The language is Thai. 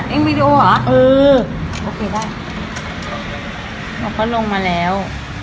เอ็งวีดีโอเหรอเออโอเคได้แล้วก็ลงมาแล้ว